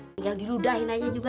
hai yang diludahin aja juga